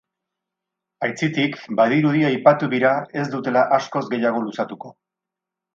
Aitzitik, badirudi aipatu bira ez dutela askoz gehiago luzatuko.